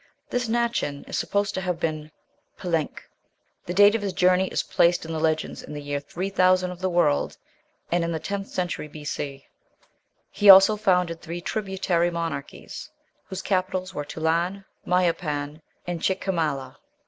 This Nachan is supposed to have been Palenque. The date of his journey is placed in the legends in the year 3000 of the world, and in the tenth century B.C. He also founded three tributary monarchies, whose capitals were Tulan, Mayapan, and Chiquimala.